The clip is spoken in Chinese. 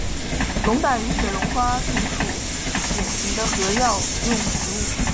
龙胆与雪绒花同属典型的和药用植物。